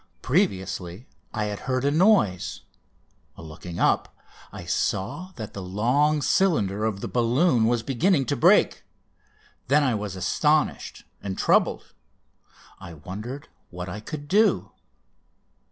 Previously I had heard a noise. Looking up, I saw that the long cylinder of the balloon was beginning to break. Then I was astonished and troubled. I wondered what I could do.